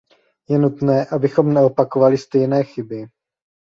Je nutné, abychom neopakovali stejné chyby.